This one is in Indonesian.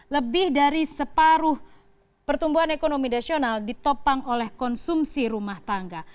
lebih dari separuh pertumbuhan ekonomi nasional ditopang oleh konsumsi rumah tangga